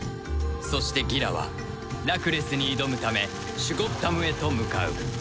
そしてギラはラクレスに挑むためシュゴッダムへと向かう